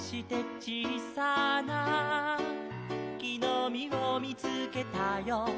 「ちいさなきのみをみつけたよ」